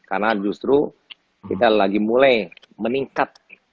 karena justru kita lagi mulai meningkat